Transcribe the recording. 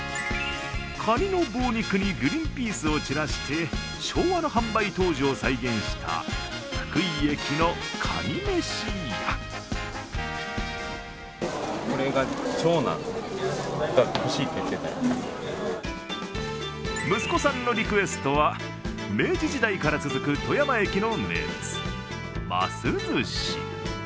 かにに棒肉にグリーンピースをちらして昭和の販売当時を再現した福井駅のかにめしや息子さんのリクエストは明治時代から続く富山駅の名物、ますずし。